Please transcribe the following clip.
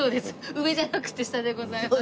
上じゃなくて下でございます。